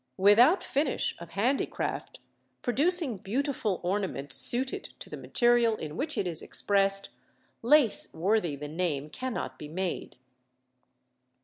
Without finish of handicraft, producing beautiful ornament suited to the material in which it is expressed, lace worthy the name cannot be made.